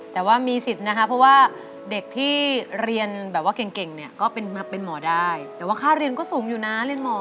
แต่ว่ามีสิทธิ์นะคะเพราะว่าเด็กที่เรียนแบบว่าเก่งเนี่ยก็เป็นหมอได้แต่ว่าค่าเรียนก็สูงอยู่นะเรียนหมอ